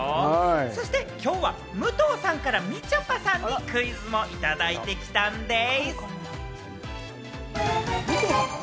そして今日は武藤さんから、みちょぱさんにクイズもいただいてきたんでぃす！